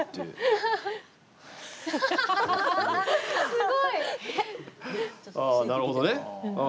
すごい！ああなるほどね。